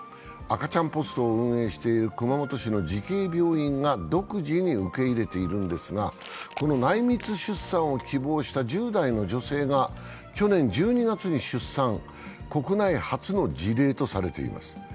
赤ちゃんポストを運営している熊本市の慈恵病院が独自に受け入れているんですが、この内密出産を希望した１０代の女性が去年１２月に出産、国内初の事例とされています。